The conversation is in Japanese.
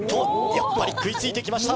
やっぱり食いついてきました